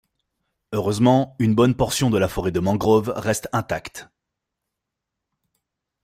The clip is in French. Heureusement une bonne portion de la forêt de mangrove reste intacte.